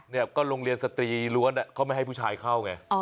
เนี่ยก็โรงเรียนสตรีล้วนเขาไม่ให้ผู้ชายเข้าไง